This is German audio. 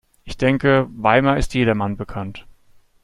Ich denke, Weimar ist jedermann bekannt.